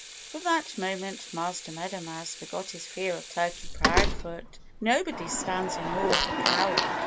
From that moment Master Meadow Mouse forgot his fear of Turkey Proudfoot. Nobody stands in awe of a coward.